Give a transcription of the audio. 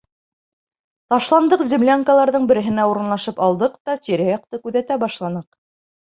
Ташландыҡ землянкаларҙың береһенә урынлашып алдыҡ та тирә-яҡты күҙәтә башланыҡ.